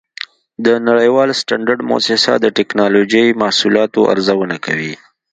د نړیوال سټنډرډ مؤسسه د ټېکنالوجۍ محصولاتو ارزونه کوي.